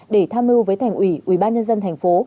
để tham mưu với thành ủy ubnd thành phố